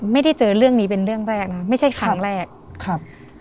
ไม่ได้เจอเรื่องนี้เป็นเรื่องแรกนะไม่ใช่ครั้งแรกครับ